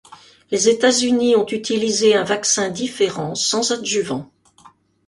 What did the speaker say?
Les États-Unis ont utilisé un vaccin différent, sans adjuvant.